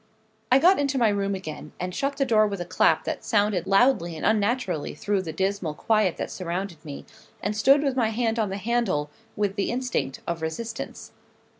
I got into my room again, and shut the door with a clap that sounded loudly and unnaturally through the dismal quiet that surrounded me, and stood with my hand on the handle, with the instinct of resistance.